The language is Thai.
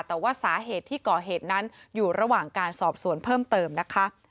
แต่ว่าสาเหตุที่ก่อเหตุนั้นอยู่ระหว่างการสอบสวนเพิ่มเติมนะคะ